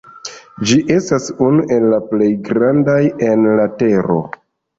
Ĝi estas unu el la plej grandaj en la tero.